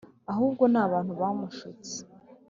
ahubwo ni abantu bamushutse